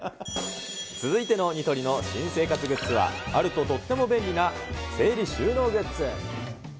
続いてのニトリの新生活グッズは、あるととっても便利な整理収納グッズ。